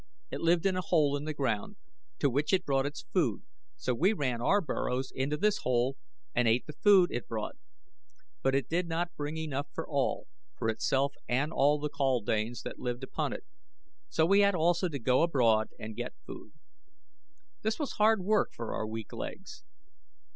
It lived in a hole in the ground, to which it brought its food, so we ran our burrows into this hole and ate the food it brought; but it did not bring enough for all for itself and all the kaldanes that lived upon it, so we had also to go abroad and get food. This was hard work for our weak legs.